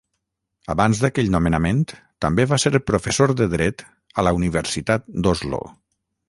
Abans d"aquell nomenament, també va ser professor de dret a la Universitat d"Oslo.